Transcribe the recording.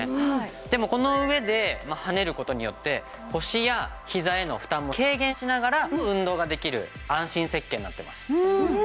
でもこの上で跳ねる事によって腰やひざへの負担も軽減しながら運動ができる安心設計になってます。